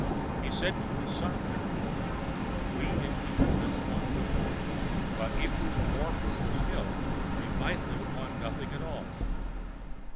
He said to his son thereupon: "We, indeed, live upon little, but if we were more frugal still, we might live upon nothing at all.